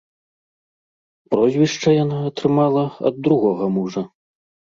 Прозвішча яна атрымала ад другога мужа.